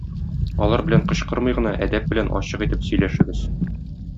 Алар белән кычкырмый гына, әдәп белән ачык итеп сөйләшегез.